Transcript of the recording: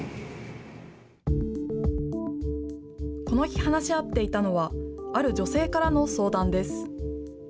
この日、話し合っていたのは、ある女性からの相談です。